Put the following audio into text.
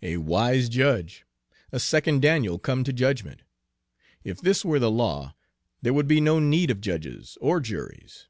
A wise judge, a second Daniel come to judgment! If this were the law, there would be no need of judges or juries."